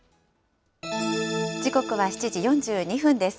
時刻は７時４２分です。